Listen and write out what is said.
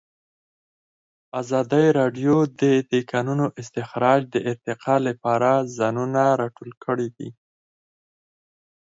ازادي راډیو د د کانونو استخراج د ارتقا لپاره نظرونه راټول کړي.